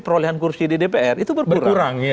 perolehan kursi di dpr itu berkurang ya